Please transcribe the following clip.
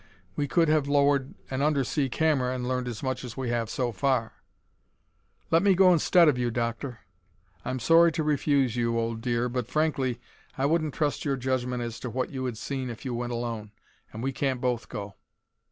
We could have lowered an under sea camera and learned as much as we have so far." "Let me go instead of you, Doctor." "I'm sorry to refuse you, old dear, but frankly, I wouldn't trust your judgment as to what you had seen if you went alone; and we can't both go."